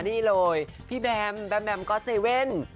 นี่เลยพี่แบมแบมแมมก๊อตเซเว่น